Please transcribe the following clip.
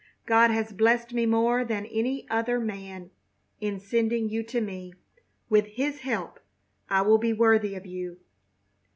"God has blessed me more than other men in sending you to me! With His help I will be worthy of you!"